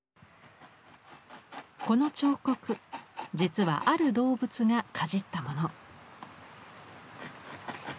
この彫刻実はある動物がかじったもの。